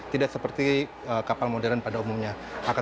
tidak seperti kapal modern pada umumnya